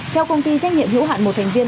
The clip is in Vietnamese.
theo công ty trách nhiệm hữu hạn một thành viên